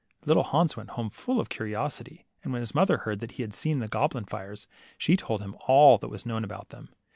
Little Hans went home full of curiosity, and when his mother heard that he had seen the goblin fires, she told him all that was known about them.